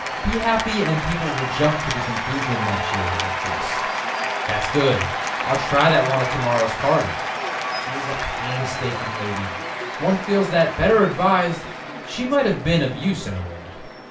Be happy and people will jump to the conclusion that you are virtuous. "That's good, I'll try that one at to morrow's party." She is a painstaking lady. One feels that, better advised, she might have been of use in the world.